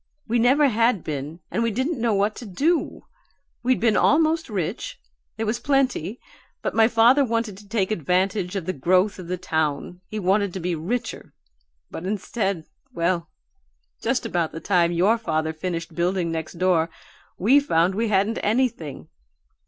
We never had been, and we didn't know what to do. We'd been almost rich; there was plenty, but my father wanted to take advantage of the growth of the town; he wanted to be richer, but instead well, just about the time your father finished building next door we found we hadn't anything.